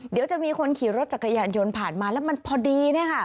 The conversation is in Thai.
เดี๋ยวจะมีคนขี่รถจักรยานยนต์ผ่านมาแล้วมันพอดี